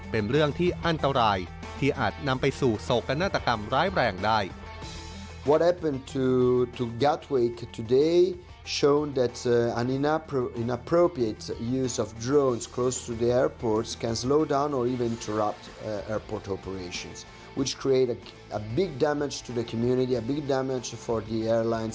เป็นเรื่องที่อันตรายที่อาจนำไปสู่โศกนาฏกรรมร้ายแรงได้